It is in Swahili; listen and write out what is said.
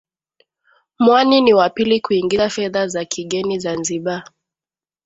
Mwani ni wa pili kuingiza fedha za kigeni Zanzibar